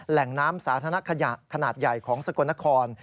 แหล่งน้ำสาธารณะขยะขนาดใหญ่ของสกลนคร